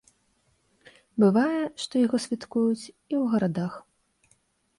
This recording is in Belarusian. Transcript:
Бывае, што яго святкуюць і ў гарадах.